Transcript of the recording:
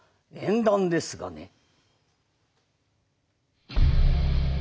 縁談ですがね。